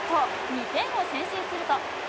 ２点を先制すると。